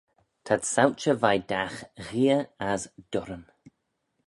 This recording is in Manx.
T'ad sauchey veih dagh gheay as durryn.